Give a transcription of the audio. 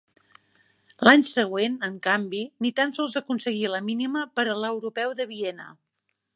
L'any següent, en canvi, ni tan sols aconseguí la mínima per a l'Europeu de Viena.